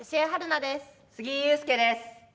杉井勇介です。